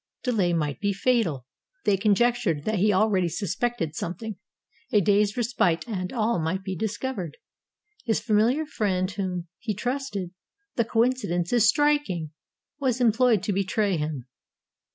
Delay might be fatal. They conjectured that he already suspected something. A day's respite, and all might be discovered. His familiar friend whom 377 ROME he trusted — the coincidence is striking !— was em ployed to betray him.